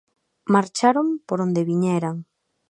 Marcharon por onde viñeran.